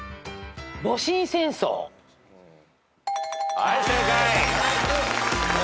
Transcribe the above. はい正解。